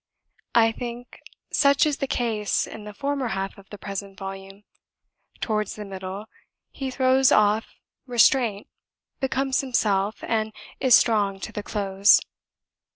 I think such is the case in the former half of the present volume. Towards the middle, he throws off restraint, becomes himself, and is strong to the close.